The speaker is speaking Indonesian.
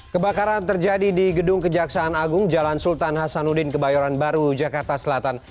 kebakaran terjadi di gedung kejaksaan agung jalan sultan hasanuddin kebayoran baru jakarta selatan